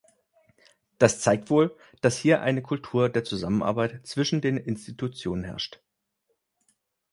Das zeigt wohl, dass hier eine Kultur der Zusammenarbeit zwischen den Institutionen herrscht.